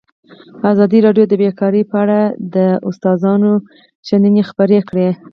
ازادي راډیو د بیکاري په اړه د استادانو شننې خپرې کړي.